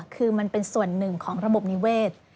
คือมันเป็นส่วนหนึ่งของระบบนิเวศ